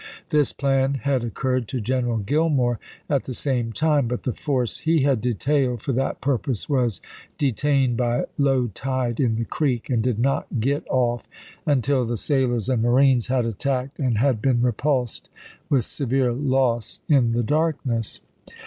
This plan had occurred to General Gillmore at the same time, but the force he had detailed for that purpose was detained by low tide in the creek, and did not get off until the sailors and marines had attacked and had been repulsed with severe loss in the darkness.